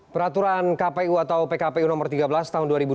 peraturan kpu atau pkpu nomor tiga belas tahun dua ribu dua puluh